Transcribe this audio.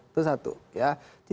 itu satu ya